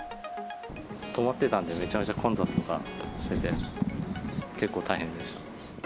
止まってたんで、めちゃめちゃ混雑とかしてて、結構大変でした。